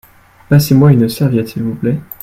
Passez-moi une serviette s'il vous plait.